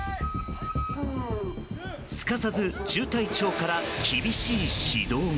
すかさず、中隊長から厳しい指導が。